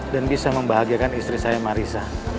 bisa membahagiakan istri saya marissa